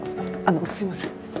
あのすいません。